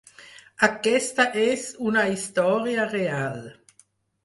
Aquesta és una història real!